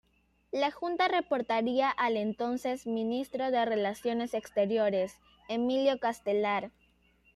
La Junta reportaría al entonces Ministro de Relaciones Exteriores, Emilio Castelar.